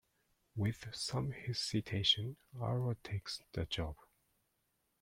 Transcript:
With some hesitation, Arlo takes the job.